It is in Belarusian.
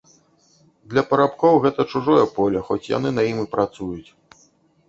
Для парабкоў гэта чужое поле, хоць яны на ім і працуюць.